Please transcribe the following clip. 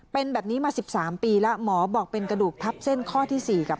เป็นแบบนี้มา๑๓ปีแล้วหมอบอกเป็นกระดูกทับเส้นข้อที่๔กับ